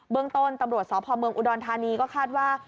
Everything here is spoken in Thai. เมืองต้นตำรวจสพเมืองอุดรธานีก็คาดว่า